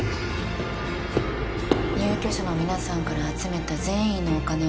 入居者の皆さんから集めた善意のお金を